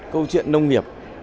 câu chuyện nông nghiệp